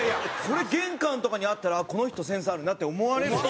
これ玄関とかにあったらこの人センスあるなって思われるし。